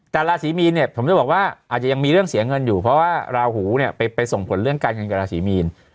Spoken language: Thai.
แต่ราศีมีนเนี่ยผมจะบอกว่าอาจจะยังมีเรื่องเสียเงินอยู่เพราะว่าราหูเนี่ยไปส่งผลเรื่องการเงินกับราศีมีน